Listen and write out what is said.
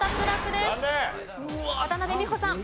渡邉美穂さん。